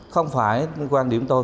không phải quan điểm tôi